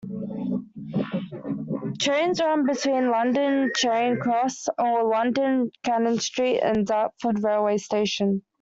Trains run between London Charing Cross, or London Cannon Street and Dartford railway station.